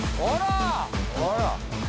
あら。